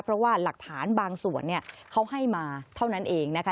เพราะว่าหลักฐานบางส่วนเนี่ยเขาให้มาเท่านั้นเองนะคะ